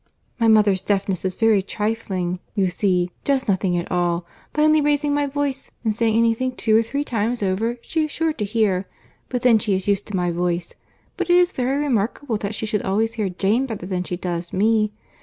"My mother's deafness is very trifling you see—just nothing at all. By only raising my voice, and saying any thing two or three times over, she is sure to hear; but then she is used to my voice. But it is very remarkable that she should always hear Jane better than she does me.